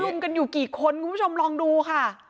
กันอยู่กี่คนคุณผู้ชมลองดูค่ะ